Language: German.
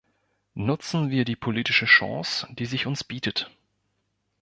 Nutzen wir die politische Chance, die sich uns bietet.